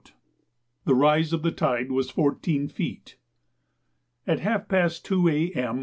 The rise of the tide was 14 feet. At half past two A.M.